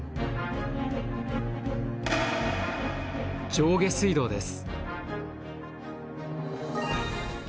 上下水道です。